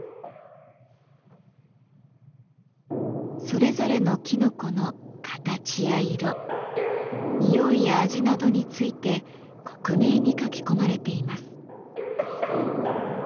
それぞれのきのこの形や色匂いや味などについて克明に書き込まれています。